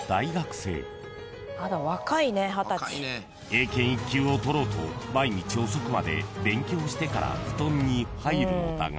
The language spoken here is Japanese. ［英検１級を取ろうと毎日遅くまで勉強してから布団に入るのだが］